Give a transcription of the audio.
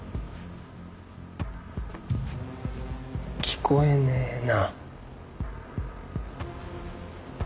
聞こえねえな。